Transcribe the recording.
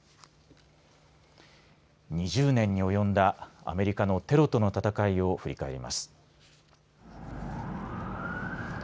２０年に及んだアメリカのテロとの戦いを振り返ります。